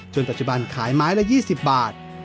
ปัจจุบันขายไม้ละ๒๐บาท